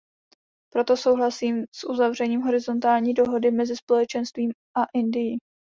Proto souhlasím s uzavřením horizontální dohody mezi Společenstvím a Indií.